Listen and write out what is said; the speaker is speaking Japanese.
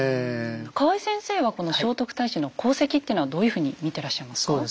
河合先生はこの聖徳太子の功績っていうのはどういうふうに見てらっしゃいますか？